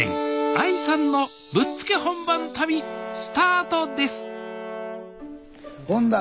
ＡＩさんのぶっつけ本番旅スタートです